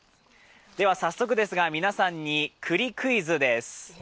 早速ですが皆さんに栗クイズです。